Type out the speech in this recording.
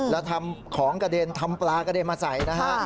แล้วทำของกระเด็นทำปลากระเด็นมาใส่นะฮะ